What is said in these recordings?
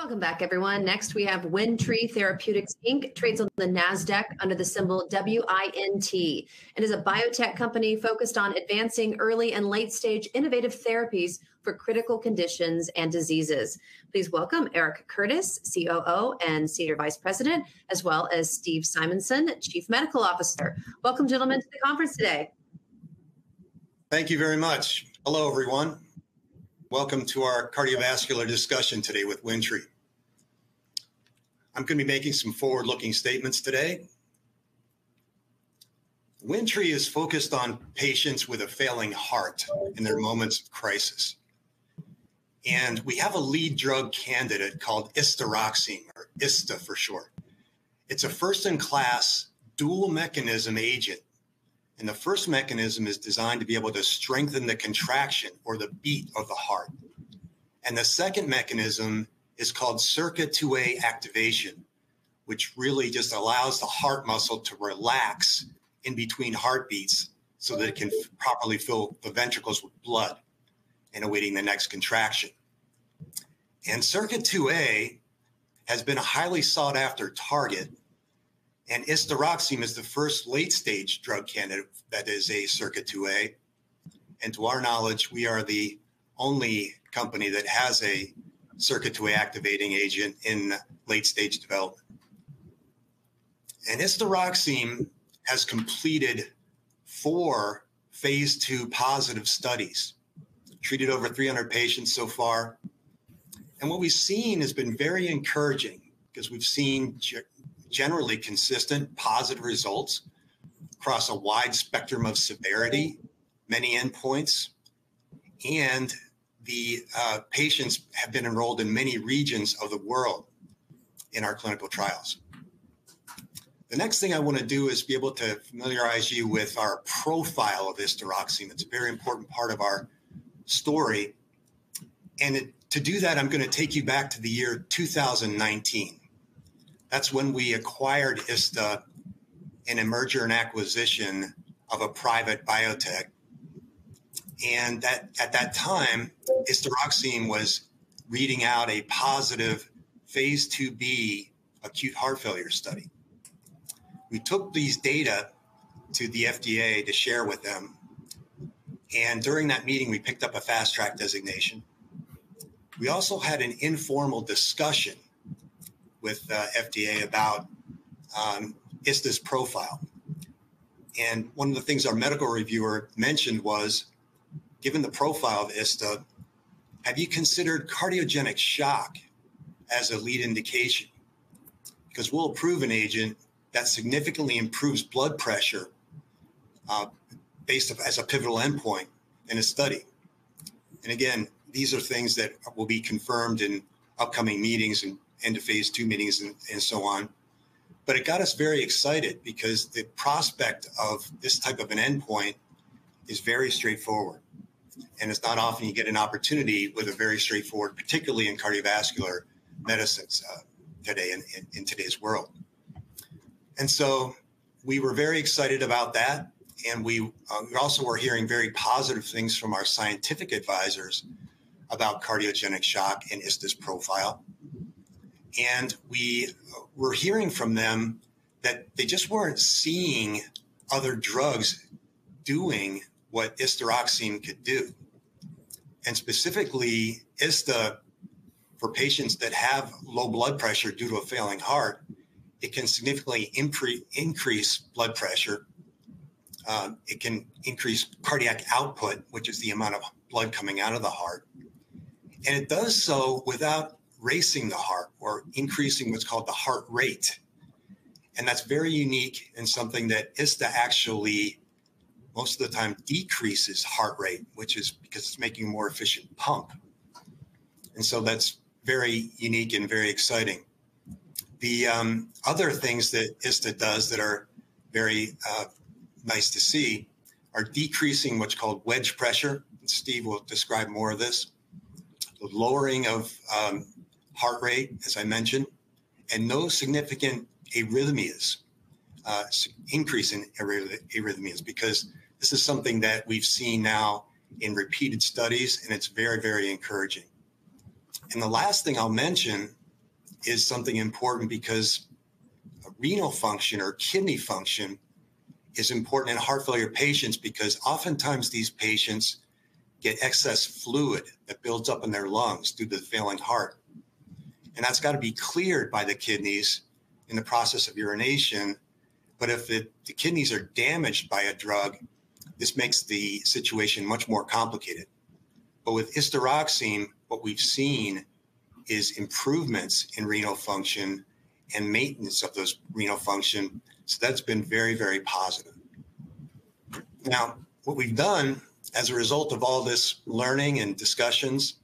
Welcome back, everyone. Next, we have Windtree Therapeutics, Inc., trades on the NASDAQ under the symbol WINT. It is a biotech company focused on advancing early and late-stage innovative therapies for critical conditions and diseases. Please welcome Eric Curtis, COO and Senior Vice President, as well as Steve Simonson, Chief Medical Officer. Welcome, gentlemen, to the conference today. Thank you very much. Hello, everyone. Welcome to our cardiovascular discussion today with Windtree. I'm going to be making some forward-looking statements today. Windtree is focused on patients with a failing heart in their moments of crisis, and we have a lead drug candidate called Istaroxime, or Ista for short. It's a first-in-class dual mechanism agent, and the first mechanism is designed to be able to strengthen the contraction, or the beat, of the heart, and the second mechanism is called SERCA2a activation, which really just allows the heart muscle to relax in between heartbeats so that it can properly fill the ventricles with blood in awaiting the next contraction, and SERCA2a has been a highly sought-after target, and Istaroxime is the first late-stage drug candidate that is a SERCA2a. To our knowledge, we are the only company that has a SERCA2a activating agent in late-stage development. Istaroxime has completed four phase II positive studies, treated over 300 patients so far. What we've seen has been very encouraging because we've seen generally consistent positive results across a wide spectrum of severity, many endpoints. The patients have been enrolled in many regions of the world in our clinical trials. The next thing I want to do is be able to familiarize you with our profile of Istaroxime. It's a very important part of our story. To do that, I'm going to take you back to the year 2019. That's when we acquired Ista in a merger and acquisition of a private biotech. At that time, Istaroxime was reading out a positive phase IIb acute heart failure study. We took these data to the FDA to share with them, and during that meeting, we picked up a Fast Track designation. We also had an informal discussion with the FDA about Ista's profile, and one of the things our medical reviewer mentioned was, given the profile of Ista, have you considered cardiogenic shock as a lead indication? Because we'll approve an agent that significantly improves blood pressure as a pivotal endpoint in a study, and again, these are things that will be confirmed in upcoming meetings and end-of-phase II meetings and so on, but it got us very excited because the prospect of this type of an endpoint is very straightforward, and it's not often you get an opportunity with a very straightforward, particularly in cardiovascular medicines today, in today's world, and so we were very excited about that. And we also were hearing very positive things from our scientific advisors about cardiogenic shock and Ista's profile. And we were hearing from them that they just weren't seeing other drugs doing what Istaroxime could do. And specifically, Ista, for patients that have low blood pressure due to a failing heart, it can significantly increase blood pressure. It can increase cardiac output, which is the amount of blood coming out of the heart. And it does so without racing the heart or increasing what's called the heart rate. And that's very unique and something that Ista actually most of the time decreases heart rate, which is because it's making a more efficient pump. And so that's very unique and very exciting. The other things that Ista does that are very nice to see are decreasing what's called wedge pressure. Steve will describe more of this, the lowering of heart rate, as I mentioned, and no significant arrhythmias, increase in arrhythmias, because this is something that we've seen now in repeated studies, and it's very, very encouraging, and the last thing I'll mention is something important because renal function or kidney function is important in heart failure patients because oftentimes these patients get excess fluid that builds up in their lungs due to the failing heart, and that's got to be cleared by the kidneys in the process of urination, but if the kidneys are damaged by a drug, this makes the situation much more complicated, but with Istaroxime, what we've seen is improvements in renal function and maintenance of those renal function, so that's been very, very positive. Now, what we've done as a result of all this learning and discussions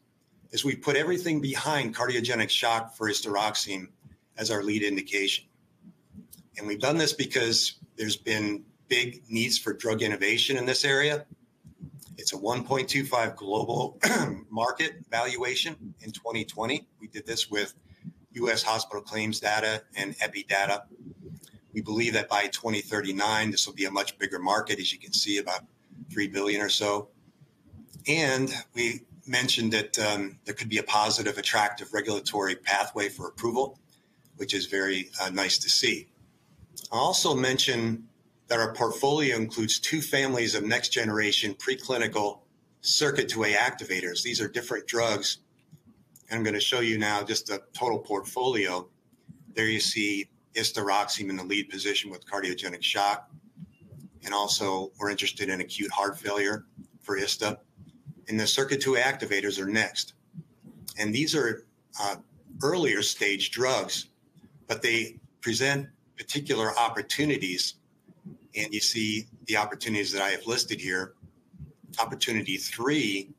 is we've put everything behind cardiogenic shock for Istaroxime as our lead indication, and we've done this because there's been big needs for drug innovation in this area. It's a $1.25 billion global market valuation in 2020. We did this with U.S. hospital claims data and Epi data. We believe that by 2039, this will be a much bigger market, as you can see, about $3 billion or so, and we mentioned that there could be a positive, attractive regulatory pathway for approval, which is very nice to see. I'll also mention that our portfolio includes two families of next-generation preclinical SERCA2a activators. These are different drugs, and I'm going to show you now just the total portfolio. There you see Istaroxime in the lead position with cardiogenic shock. And also, we're interested in acute heart failure for Ista. And the Circuit 2A activators are next. And these are earlier-stage drugs, but they present particular opportunities. And you see the opportunities that I have listed here. Opportunity three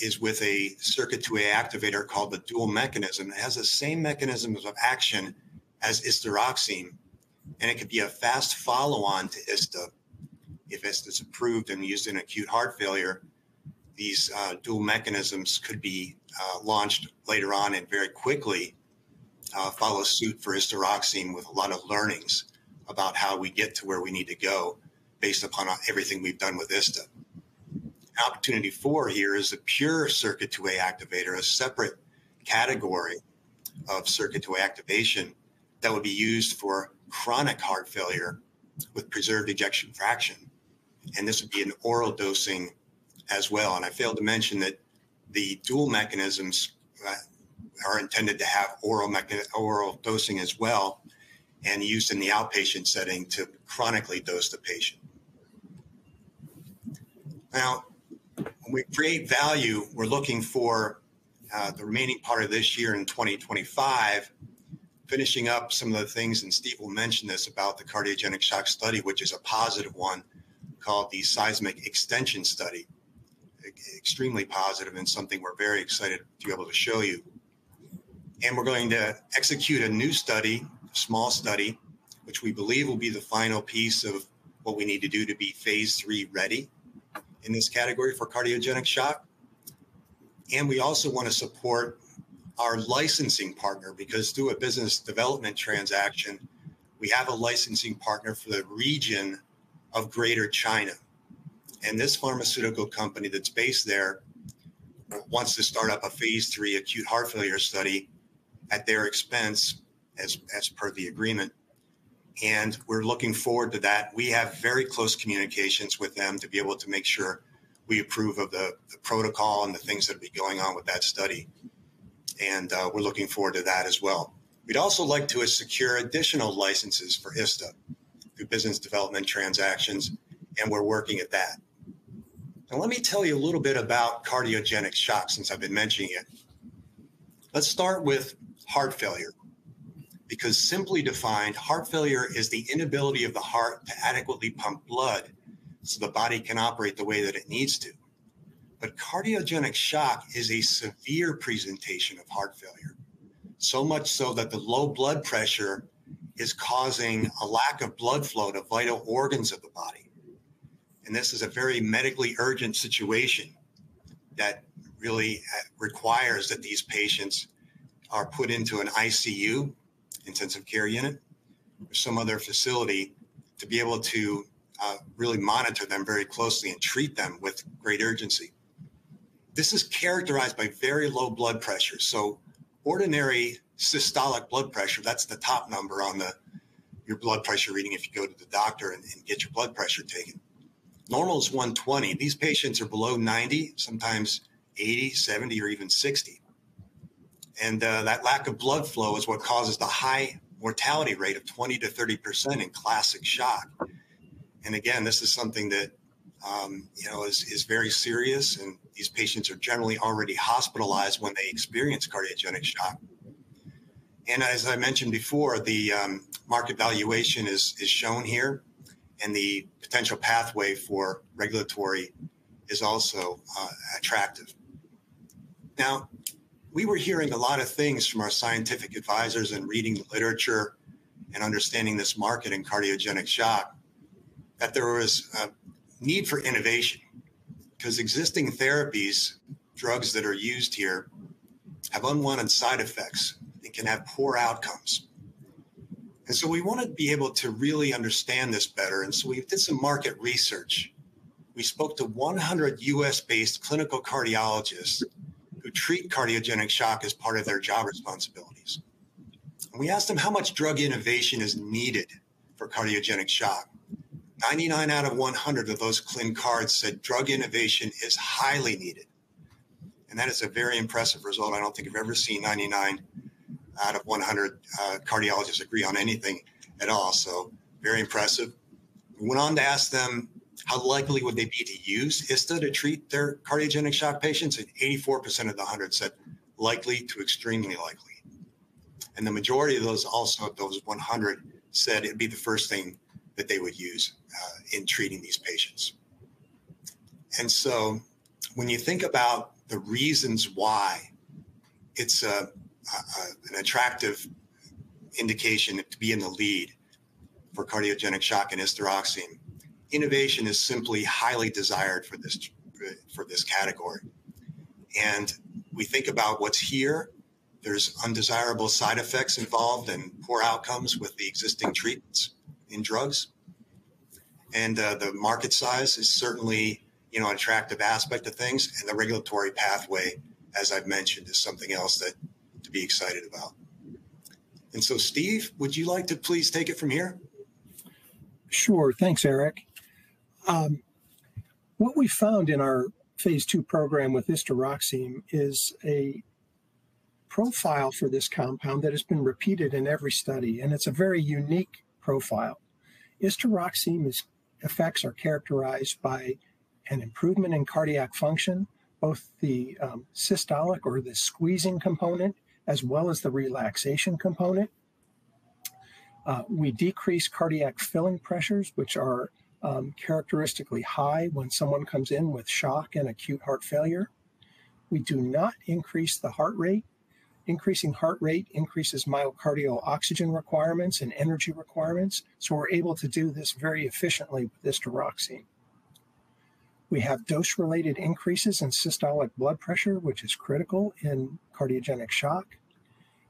is with a Circuit 2A activator called the dual mechanism. It has the same mechanisms of action as Istaroxene. And it could be a fast follow-on to Ista. If Ista's approved and used in acute heart failure, these dual mechanisms could be launched later on and very quickly follow suit for Istaroxene with a lot of learnings about how we get to where we need to go based upon everything we've done with Ista. Opportunity four here is a pure Circuit 2A activator, a separate category of Circuit 2A activation that will be used for chronic heart failure with preserved ejection fraction. And this would be an oral dosing as well. I failed to mention that the dual mechanisms are intended to have oral dosing as well and used in the outpatient setting to chronically dose the patient. Now, when we create value, we're looking for the remaining part of this year in 2025, finishing up some of the things. Steve will mention this about the cardiogenic shock study, which is a positive one called the SEISMIC Extension study, extremely positive and something we're very excited to be able to show you. We're going to execute a new study, a small study, which we believe will be the final piece of what we need to do to be phase III ready in this category for cardiogenic shock. We also want to support our licensing partner because through a business development transaction, we have a licensing partner for the region of Greater China. This pharmaceutical company that's based there wants to start up a phase III acute heart failure study at their expense as per the agreement. We're looking forward to that. We have very close communications with them to be able to make sure we approve of the protocol and the things that will be going on with that study. We're looking forward to that as well. We'd also like to secure additional licenses for Ista through business development transactions. We're working at that. Now, let me tell you a little bit about cardiogenic shock since I've been mentioning it. Let's start with heart failure because simply defined, heart failure is the inability of the heart to adequately pump blood so the body can operate the way that it needs to. But cardiogenic shock is a severe presentation of heart failure, so much so that the low blood pressure is causing a lack of blood flow to vital organs of the body. And this is a very medically urgent situation that really requires that these patients are put into an ICU, intensive care unit, or some other facility to be able to really monitor them very closely and treat them with great urgency. This is characterized by very low blood pressure. So ordinary systolic blood pressure, that's the top number on your blood pressure reading if you go to the doctor and get your blood pressure taken. Normal is 120. These patients are below 90, sometimes 80, 70, or even 60. And that lack of blood flow is what causes the high mortality rate of 20%-30% in classic shock. And again, this is something that is very serious. And these patients are generally already hospitalized when they experience cardiogenic shock. And as I mentioned before, the market valuation is shown here. And the potential pathway for regulatory is also attractive. Now, we were hearing a lot of things from our scientific advisors and reading the literature and understanding this market and cardiogenic shock that there was a need for innovation because existing therapies, drugs that are used here, have unwanted side effects and can have poor outcomes. And so we want to be able to really understand this better. And so we did some market research. We spoke to 100 U.S.-based clinical cardiologists who treat cardiogenic shock as part of their job responsibilities. And we asked them how much drug innovation is needed for cardiogenic shock. 99 out of 100 of those cardiologists said drug innovation is highly needed. And that is a very impressive result. I don't think I've ever seen 99 out of 100 cardiologists agree on anything at all, so very impressive. We went on to ask them how likely would they be to use Ista to treat their cardiogenic shock patients, and 84% of the 100 said likely to extremely likely, and the majority of those also, those 100, said it'd be the first thing that they would use in treating these patients, and so when you think about the reasons why it's an attractive indication to be in the lead for cardiogenic shock and Istaroxene, innovation is simply highly desired for this category, and we think about what's here. There's undesirable side effects involved and poor outcomes with the existing treatments in drugs, and the market size is certainly an attractive aspect of things, and the regulatory pathway, as I've mentioned, is something else to be excited about. And so, Steve, would you like to please take it from here? Sure. Thanks, Eric. What we found in our phase II program with Istaroxime is a profile for this compound that has been repeated in every study. And it's a very unique profile. Istaroxime's effects are characterized by an improvement in cardiac function, both the systolic or the squeezing component, as well as the relaxation component. We decrease cardiac filling pressures, which are characteristically high when someone comes in with shock and acute heart failure. We do not increase the heart rate. Increasing heart rate increases myocardial oxygen requirements and energy requirements. So we're able to do this very efficiently with Istaroxene. We have dose-related increases in systolic blood pressure, which is critical in cardiogenic shock.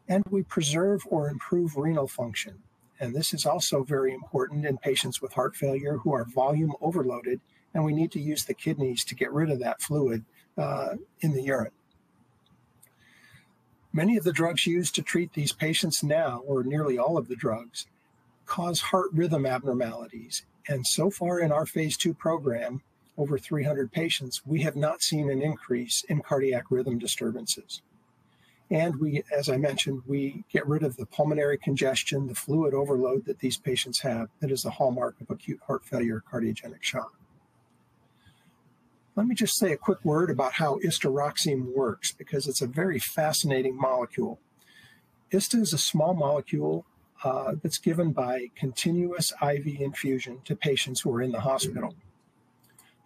And we preserve or improve renal function. And this is also very important in patients with heart failure who are volume overloaded. And we need to use the kidneys to get rid of that fluid in the urine. Many of the drugs used to treat these patients now, or nearly all of the drugs, cause heart rhythm abnormalities. And so far in our phase II program, over 300 patients, we have not seen an increase in cardiac rhythm disturbances. And as I mentioned, we get rid of the pulmonary congestion, the fluid overload that these patients have that is the hallmark of acute heart failure, cardiogenic shock. Let me just say a quick word about how Istaroxene works because it's a very fascinating molecule. Ista is a small molecule that's given by continuous IV infusion to patients who are in the hospital.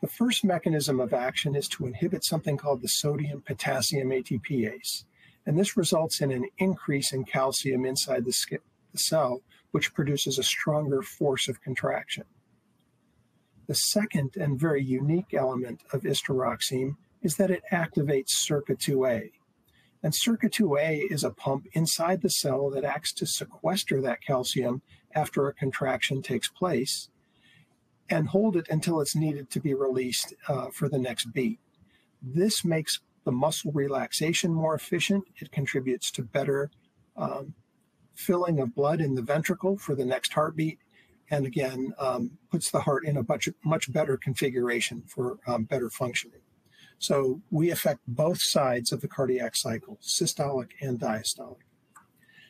The first mechanism of action is to inhibit something called the sodium-potassium ATPase. And this results in an increase in calcium inside the cell, which produces a stronger force of contraction. The second and very unique element of Istaroxene is that it activates Circuit 2A. And Circuit 2A is a pump inside the cell that acts to sequester that calcium after a contraction takes place and hold it until it's needed to be released for the next beat. This makes the muscle relaxation more efficient. It contributes to better filling of blood in the ventricle for the next heartbeat and, again, puts the heart in a much better configuration for better functioning. So we affect both sides of the cardiac cycle, systolic and diastolic.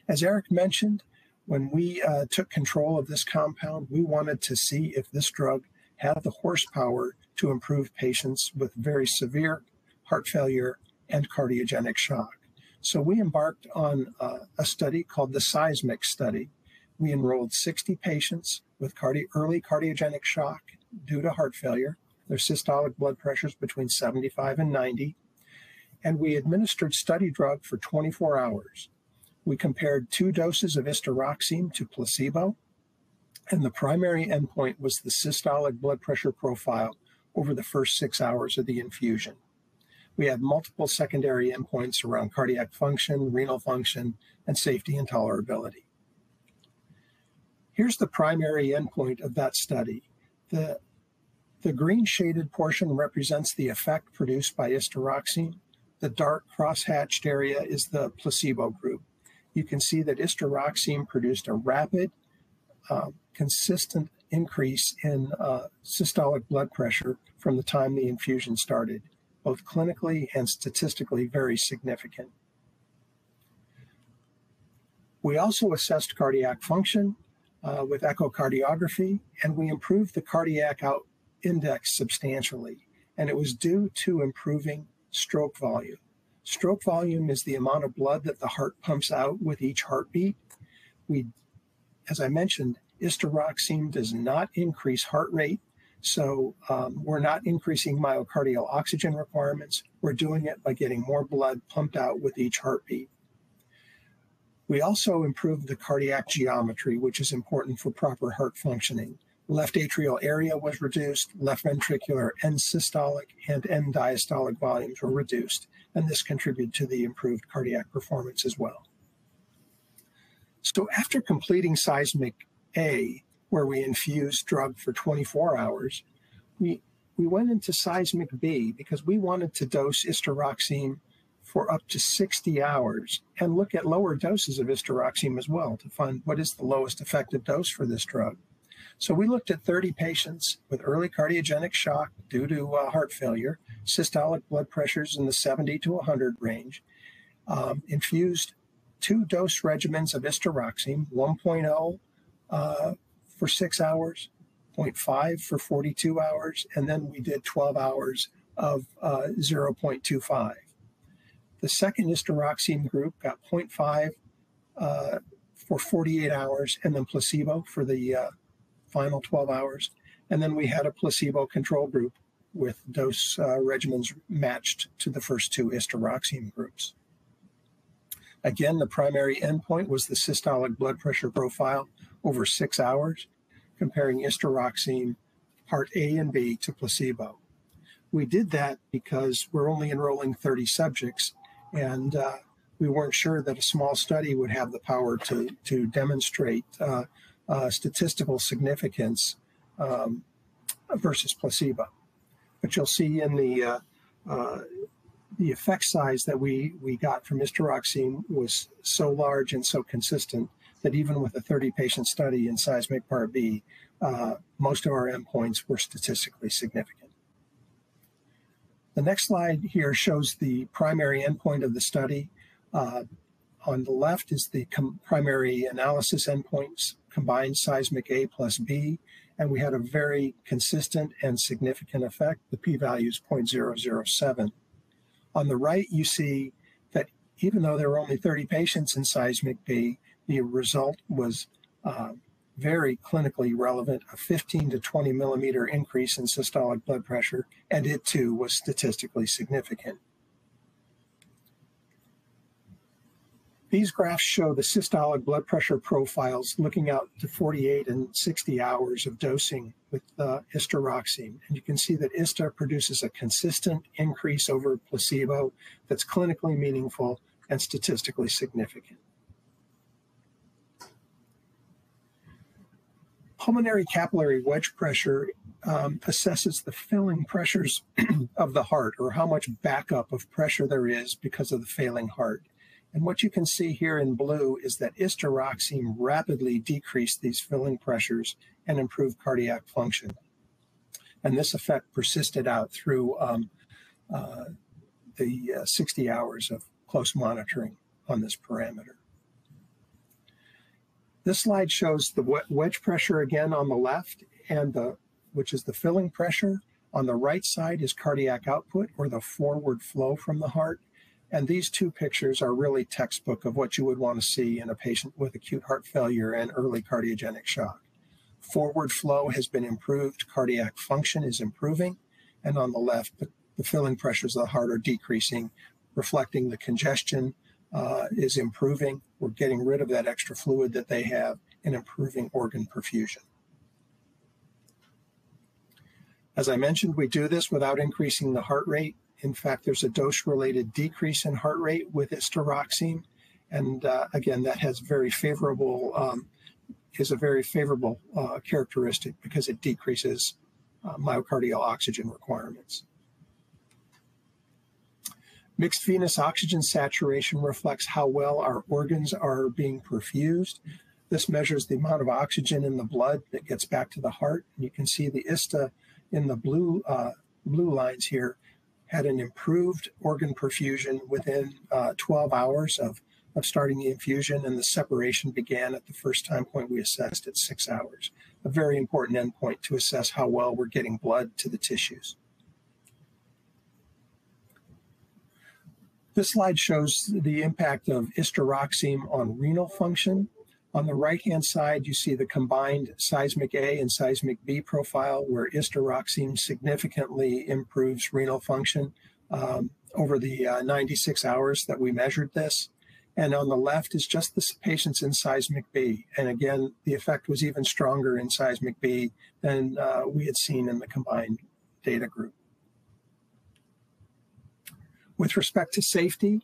As Eric mentioned, when we took control of this compound, we wanted to see if this drug had the horsepower to improve patients with very severe heart failure and cardiogenic shock. We embarked on a study called the SEISMIC study. We enrolled 60 patients with early cardiogenic shock due to heart failure. Their systolic blood pressure is between 75 and 90. We administered study drug for 24 hours. We compared two doses of Istaroxene to placebo. The primary endpoint was the systolic blood pressure profile over the first six hours of the infusion. We had multiple secondary endpoints around cardiac function, renal function, and safety and tolerability. Here's the primary endpoint of that study. The green shaded portion represents the effect produced by Istaroxene. The dark cross-hatched area is the placebo group. You can see that Istaroxene produced a rapid, consistent increase in systolic blood pressure from the time the infusion started, both clinically and statistically very significant. We also assessed cardiac function with echocardiography. We improved the cardiac output index substantially. It was due to improving stroke volume. Stroke volume is the amount of blood that the heart pumps out with each heartbeat. As I mentioned, Istaroxene does not increase heart rate. So we're not increasing myocardial oxygen requirements. We're doing it by getting more blood pumped out with each heartbeat. We also improved the cardiac geometry, which is important for proper heart functioning. Left atrial area was reduced. Left ventricular end-systolic and end-diastolic volumes were reduced. This contributed to the improved cardiac performance as well. After completing SEISMIC A, where we infused drug for 24 hours, we went into SEISMIC B because we wanted to dose Istaroxene for up to 60 hours and look at lower doses of Istaroxene as well to find what is the lowest effective dose for this drug. So we looked at 30 patients with early cardiogenic shock due to heart failure, systolic blood pressures in the 70-100 range, infused two dose regimens of Istaroxene, 1.0 for six hours, 0.5 for 42 hours. And then we did 12 hours of 0.25. The second Istaroxene group got 0.5 for 48 hours and then placebo for the final 12 hours. And then we had a placebo control group with dose regimens matched to the first two Istaroxene groups. Again, the primary endpoint was the systolic blood pressure profile over six hours, comparing Istaroxene, part A and B, to placebo. We did that because we're only enrolling 30 subjects. And we weren't sure that a small study would have the power to demonstrate statistical significance versus placebo. But you'll see in the effect size that we got from Istaroxene was so large and so consistent that even with a 30-patient study in SEISMIC Part B, most of our endpoints were statistically significant. The next slide here shows the primary endpoint of the study. On the left is the primary analysis endpoints, combined SEISMIC A plus B. And we had a very consistent and significant effect. The p-value is 0.007. On the right, you see that even though there were only 30 patients in SEISMIC B, the result was very clinically relevant, a 15- to 20-mm increase in systolic blood pressure. And it too was statistically significant. These graphs show the systolic blood pressure profiles looking out to 48 and 60 hours of dosing with Istaroxene. And you can see that Ista produces a consistent increase over placebo that's clinically meaningful and statistically significant. Pulmonary capillary wedge pressure assesses the filling pressures of the heart or how much backup of pressure there is because of the failing heart. And what you can see here in blue is that Istaroxene rapidly decreased these filling pressures and improved cardiac function. And this effect persisted out through the 60 hours of close monitoring on this parameter. This slide shows the wedge pressure again on the left, which is the filling pressure. On the right side is cardiac output or the forward flow from the heart. And these two pictures are really textbook of what you would want to see in a patient with acute heart failure and early cardiogenic shock. Forward flow has been improved. Cardiac function is improving. And on the left, the filling pressures of the heart are decreasing, reflecting the congestion is improving. We're getting rid of that extra fluid that they have and improving organ perfusion. As I mentioned, we do this without increasing the heart rate. In fact, there's a dose-related decrease in heart rate with Istaroxene. Again, that is a very favorable characteristic because it decreases myocardial oxygen requirements. Mixed venous oxygen saturation reflects how well our organs are being perfused. This measures the amount of oxygen in the blood that gets back to the heart. You can see the Ista in the blue lines here had an improved organ perfusion within 12 hours of starting the infusion. The separation began at the first time point we assessed at six hours, a very important endpoint to assess how well we're getting blood to the tissues. This slide shows the impact of Istaroxene on renal function. On the right-hand side, you see the combined SEISMIC A and SEISMIC B profile where Istaroxene significantly improves renal function over the 96 hours that we measured this, and on the left is just the patients in SEISMIC B. And again, the effect was even stronger in SEISMIC B than we had seen in the combined data group. With respect to safety,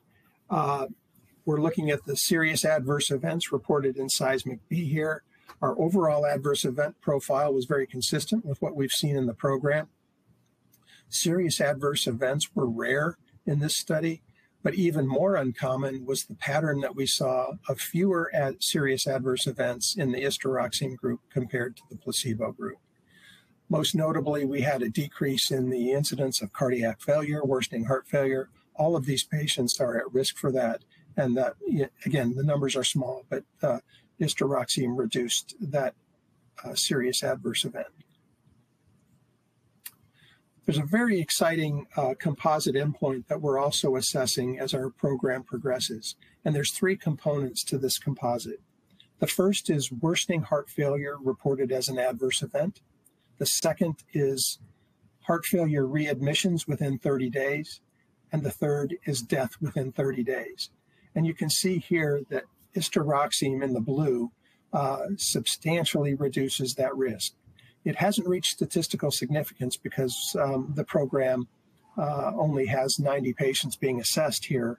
we're looking at the serious adverse events reported in SEISMIC B here. Our overall adverse event profile was very consistent with what we've seen in the program. Serious adverse events were rare in this study, but even more uncommon was the pattern that we saw of fewer serious adverse events in the Istaroxene group compared to the placebo group. Most notably, we had a decrease in the incidence of cardiac failure, worsening heart failure. All of these patients are at risk for that. And again, the numbers are small, but Istaroxene reduced that serious adverse event. There's a very exciting composite endpoint that we're also assessing as our program progresses. And there's three components to this composite. The first is worsening heart failure reported as an adverse event. The second is heart failure readmissions within 30 days. And the third is death within 30 days. And you can see here that Istaroxene in the blue substantially reduces that risk. It hasn't reached statistical significance because the program only has 90 patients being assessed here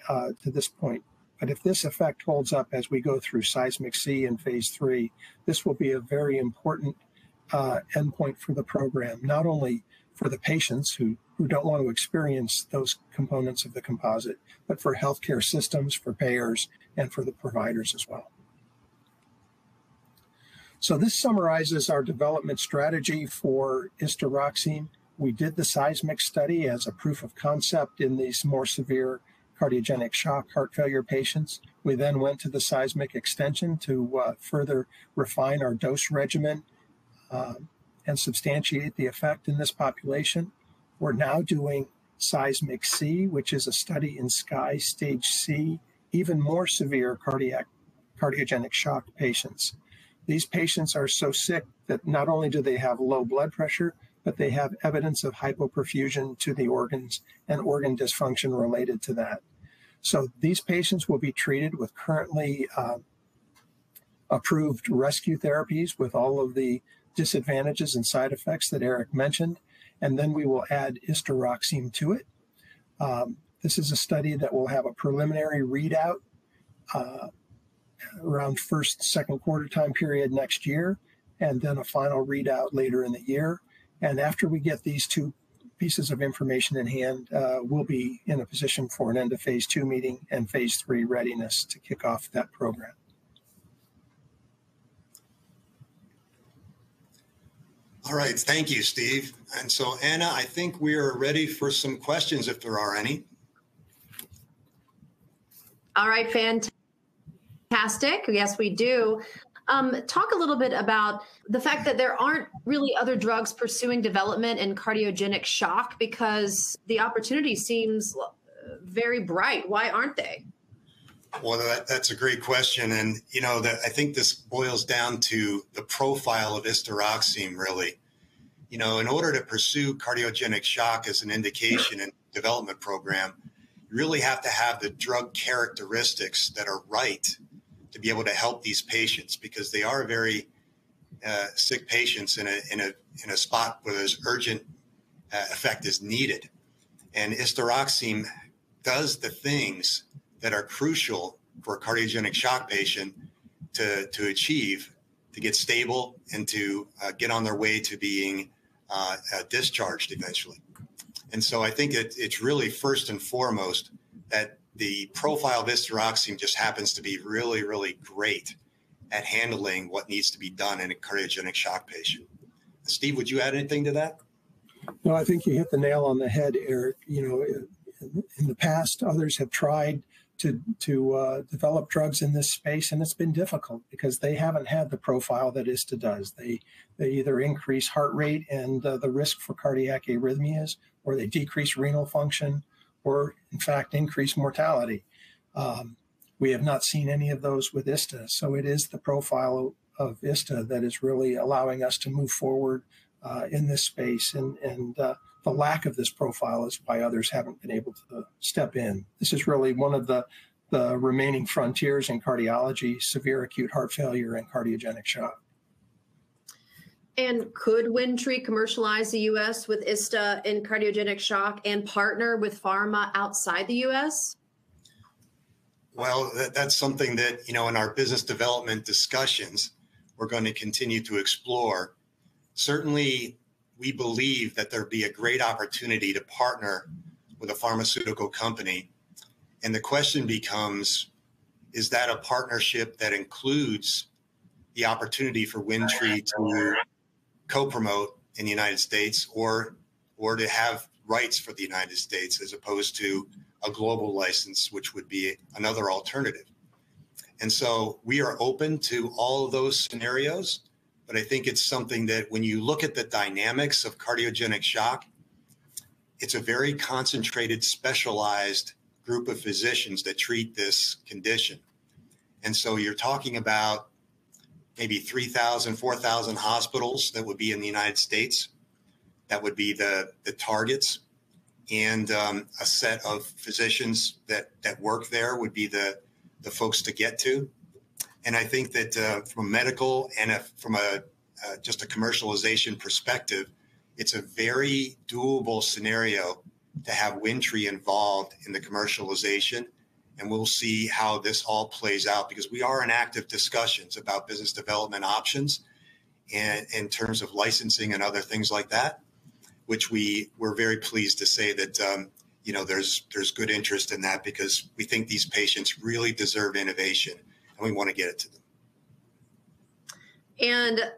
to this point. But if this effect holds up as we go through SEISMIC C in phase three, this will be a very important endpoint for the program, not only for the patients who don't want to experience those components of the composite, but for healthcare systems, for payers, and for the providers as well. So this summarizes our development strategy for Istaroxene. We did the SEISMIC study as a proof of concept in these more severe cardiogenic shock heart failure patients. We then went to the SEISMIC Extension to further refine our dose regimen and substantiate the effect in this population. We're now doing SEISMIC C, which is a study in SCAI Stage C, even more severe cardiogenic shock patients. These patients are so sick that not only do they have low blood pressure, but they have evidence of hypoperfusion to the organs and organ dysfunction related to that. So these patients will be treated with currently approved rescue therapies with all of the disadvantages and side effects that Eric mentioned. And then we will add Istaroxene to it. This is a study that will have a preliminary readout around first, second quarter time period next year and then a final readout later in the year, and after we get these two pieces of information in hand, we'll be in a position for an end of phase two meeting and phase three readiness to kick off that program. All right. Thank you, Steve. And so, Anna, I think we are ready for some questions if there are any? All right. Fantastic. Yes, we do. Talk a little bit about the fact that there aren't really other drugs pursuing development in cardiogenic shock because the opportunity seems very bright. Why aren't they? That's a great question. I think this boils down to the profile of Istaroxime really. In order to pursue cardiogenic shock as an indication in the development program, you really have to have the drug characteristics that are right to be able to help these patients because they are very sick patients in a spot where there's urgent effect is needed. Istaroxime does the things that are crucial for a cardiogenic shock patient to achieve, to get stable, and to get on their way to being discharged eventually. So I think it's really first and foremost that the profile of Istaroxime just happens to be really, really great at handling what needs to be done in a cardiogenic shock patient. Steve, would you add anything to that? No, I think you hit the nail on the head, Eric. In the past, others have tried to develop drugs in this space, and it's been difficult because they haven't had the profile that Ista does. They either increase heart rate and the risk for cardiac arrhythmias, or they decrease renal function, or in fact, increase mortality. We have not seen any of those with Ista, so it is the profile of Ista that is really allowing us to move forward in this space, and the lack of this profile is why others haven't been able to step in. This is really one of the remaining frontiers in cardiology, severe acute heart failure and cardiogenic shock. Could Windtree commercialize the U.S. with Ista in cardiogenic shock and partner with pharma outside the U.S.? That's something that in our business development discussions, we're going to continue to explore. Certainly, we believe that there would be a great opportunity to partner with a pharmaceutical company. The question becomes, is that a partnership that includes the opportunity for Windtree to co-promote in the United States or to have rights for the United States as opposed to a global license, which would be another alternative? We are open to all of those scenarios. I think it's something that when you look at the dynamics of cardiogenic shock, it's a very concentrated, specialized group of physicians that treat this condition. You're talking about maybe 3,000-4,000 hospitals that would be in the United States that would be the targets. A set of physicians that work there would be the folks to get to. And I think that from a medical and from just a commercialization perspective, it's a very doable scenario to have Windtree involved in the commercialization. And we'll see how this all plays out because we are in active discussions about business development options in terms of licensing and other things like that, which we're very pleased to say that there's good interest in that because we think these patients really deserve innovation. And we want to get it to them.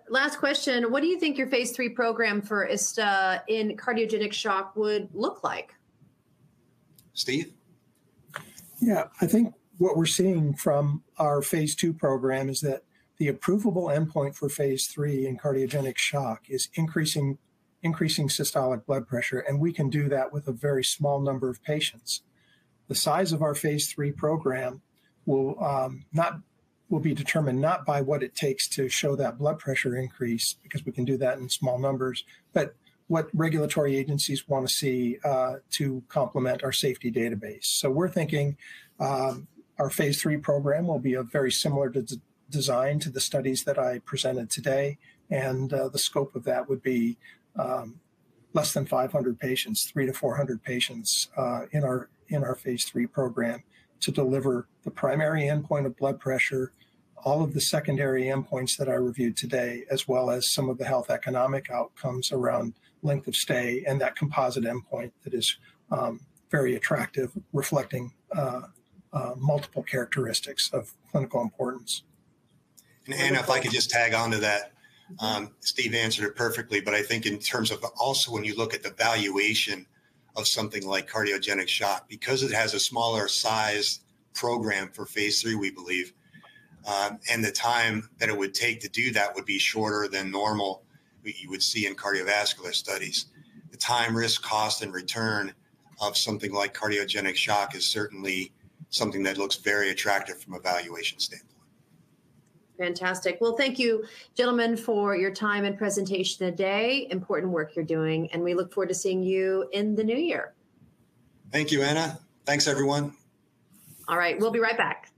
Last question, what do you think your phase three program for Ista in cardiogenic shock would look like? Steve? Yeah. I think what we're seeing from our phase two program is that the approvable endpoint for phase three in cardiogenic shock is increasing systolic blood pressure. And we can do that with a very small number of patients. The size of our phase three program will be determined not by what it takes to show that blood pressure increase because we can do that in small numbers, but what regulatory agencies want to see to complement our safety database. So we're thinking our phase three program will be very similar in design to the studies that I presented today. The scope of that would be less than 500 patients, 300-400 patients in our phase III program to deliver the primary endpoint of blood pressure, all of the secondary endpoints that I reviewed today, as well as some of the health economic outcomes around length of stay and that composite endpoint that is very attractive, reflecting multiple characteristics of clinical importance. And Anna, if I could just tack on to that. Steve answered it perfectly. But I think in terms of also when you look at the valuation of something like cardiogenic shock, because it has a smaller size program for phase III, we believe, and the time that it would take to do that would be shorter than normal you would see in cardiovascular studies, the time risk, cost, and return of something like cardiogenic shock is certainly something that looks very attractive from a valuation standpoint. Fantastic. Thank you, gentlemen, for your time and presentation today. Important work you're doing. We look forward to seeing you in the new year. Thank you, Anna. Thanks, everyone. All right. We'll be right back.